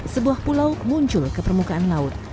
sebuah pulau muncul ke permukaan laut